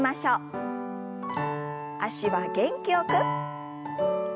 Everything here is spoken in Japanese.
脚は元気よく。